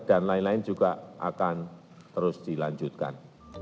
dan lain lain juga akan terus dilanjutkan